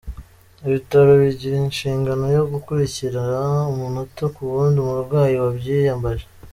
Ibitaro bigira inshingano yo gukurikira umunota kuwundi umurwayi wabyiyambaje.